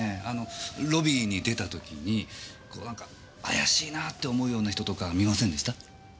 あのロビーに出た時にこう怪しいなぁって思うような人とか見ませんでした？